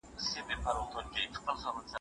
موږ به پر کومه ځو ملاجانه.